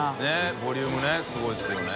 ボリュームねすごいですよね。